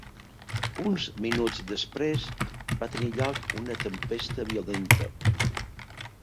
Uns minuts després, va tenir lloc una tempesta violenta.